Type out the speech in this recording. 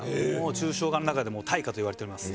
抽象画の中でも大家といわれております。